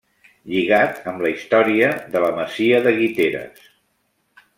Lligat amb la història de la Masia de Guiteres.